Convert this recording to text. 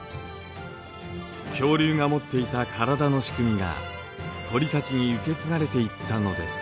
恐竜が持っていた体の仕組みが鳥たちに受け継がれていったのです。